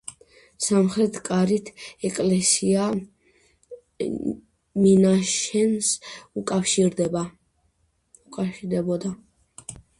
სამხრეთ კარით ეკლესია მინაშენს უკავშირდებოდა.